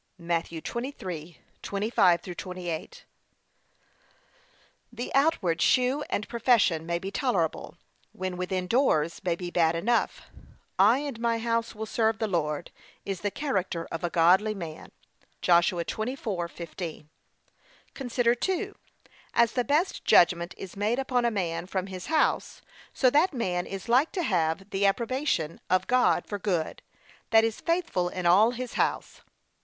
(Matt. 23:25 28) The outward shew and profession may be tolerable, when within doors may be bad enough. I and my house 'will serve the Lord,' is the character of a godly man. (Josh. 24:15) Consider 2. As the best judgment is made upon a man from his house, so that man is like to have the approbation of God for good, that is faithful in all his house.